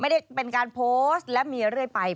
ไม่ได้เป็นการโพสต์และมีเรื่อยไป